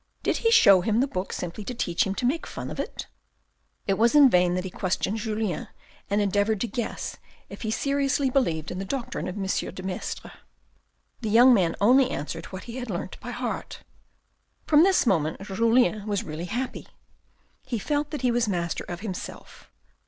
" Did he show him the book simply to teach him to make fun of it ?" It was in vain that he questioned Julien and endeavoured to guess if he seriously believed in the doctrine of M. de Maistre. The young man only answered what he had learnt by heart. From this moment Julien was really happy. He felt that he was master of himself.